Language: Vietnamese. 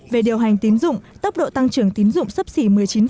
về điều hành tín dụng tốc độ tăng trưởng tín dụng sấp xỉ một mươi chín